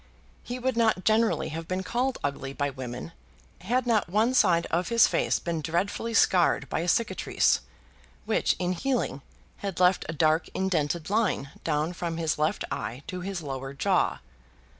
He would not generally have been called ugly by women, had not one side of his face been dreadfully scarred by a cicatrice, which in healing, had left a dark indented line down from his left eye to his lower jaw.